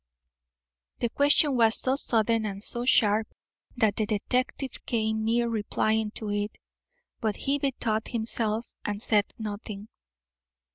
The question was so sudden and so sharp that the detective came near replying to it; but he bethought himself, and said nothing.